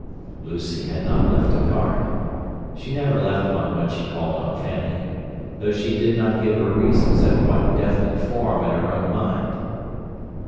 Lucy had not left a card. She never left one when she called on Fanny; though she did not give her reasons a quite definite form in her own mind.